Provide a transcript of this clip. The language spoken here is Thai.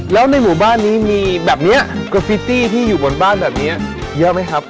แล้วในหมู่บ้านนี้มีแบบนี้เกอร์ฟิตี้ที่อยู่บนบ้านแบบนี้เยอะไหมครับ